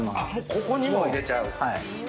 ここにもう入れちゃう。